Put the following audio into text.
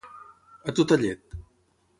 A tota llet.